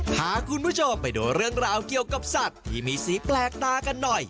พาคุณผู้ชมไปดูเรื่องราวเกี่ยวกับสัตว์ที่มีสีแปลกตากันหน่อย